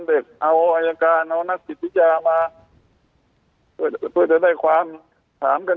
เด็กเอาอยการเอานักศิษยามาเพื่อจะได้ความถามกัน